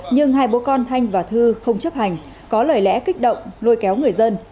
nhưng hai bố con thanh và thư không chấp hành có lời lẽ kích động lôi kéo người dân